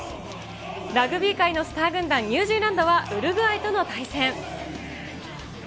ラグビー界のスター軍団、ニュージーランドは、ウルグアイとの対戦。